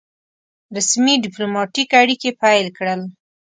رسمي ډيپلوماټیک اړیکي پیل کړل.